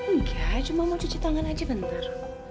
enggak cuma mau cuci tangan aja bentar